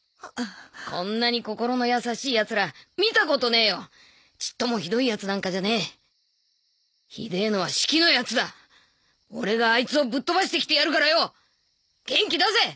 こんなに心の優しいヤツら見たことねえよちっともひどいヤツなんかじゃねえひでえのはシキのヤツだ俺がアイツをぶっ飛ばしてきてやるからよ元気出せ！